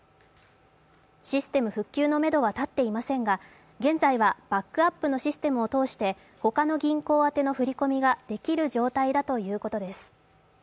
システム復旧のめどは立っていませんが現在はバックアップのシステムを通して他の銀行宛の振り込みができる状態だということです。